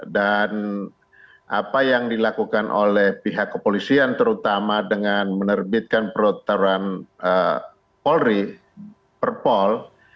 dan apa yang dilakukan oleh pihak kepolisian terutama dengan menerbitkan perotoran polri perpol